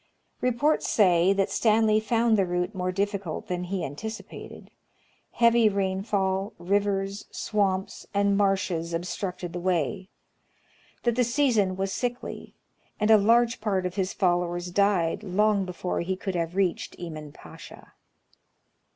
Re ports say that Stanley found the route more difficult than he anticipated ; heavy rainfall, rivers, swamps, and marshes ob Africa^ its Pad mid Future. 121 structed the way; that the season was sickly, and a large part of his followers died long before he could have reached Emin Pacha.